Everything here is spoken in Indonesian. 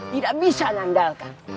tidak bisa nandalkan